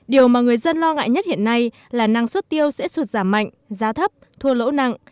điều mà người dân lo ngại nhất hiện nay là năng suất tiêu sẽ sụt giảm mạnh giá thấp thua lỗ nặng